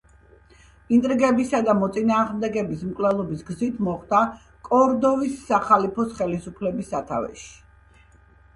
ინტრიგებისა და მოწინააღმდეგეების მკვლელობების გზით მოხვდა კორდოვის სახალიფოს ხელისუფლების სათავეში.